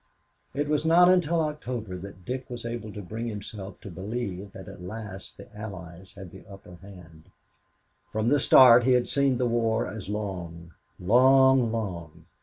It was not until October that Dick was able to bring himself to believe that at last the Allies had the upper hand. From the start he had seen the war as long long long.